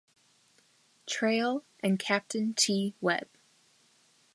Traill, and Captain T. Webb.